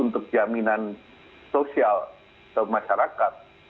untuk jaminan sosial ke masyarakat